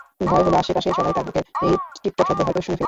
ভয় হল, আশপাশের সবাই তার বুকের এই টিপটপ শব্দ হয়তো শুনে ফেলছে।